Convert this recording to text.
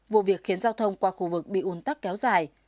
vụ việc khiến giao thông qua khu vực bị ủn tắc kéo dài